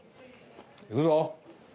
行くぞ！